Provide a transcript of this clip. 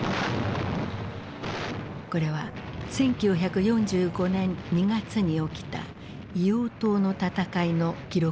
これは１９４５年２月に起きた硫黄島の戦いの記録映画。